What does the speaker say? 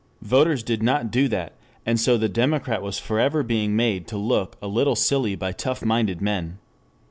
Voters did not do that, and so the democrat was forever being made to look a little silly by tough minded men.